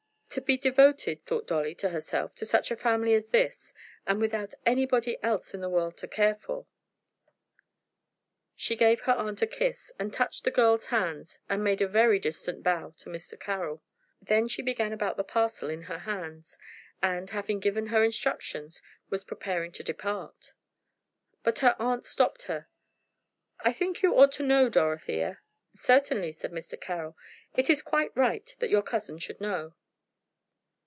To be devoted, thought Dolly to herself, to such a family as this, and without anybody else in the world to care for! She gave her aunt a kiss, and touched the girls' hands, and made a very distant bow to Mr. Carroll. Then she began about the parcel in her hands, and, having given her instructions, was preparing to depart. But her aunt stopped her. "I think you ought to know, Dorothea." "Certainly," said Mr. Carroll. "It is quite right that your cousin should know."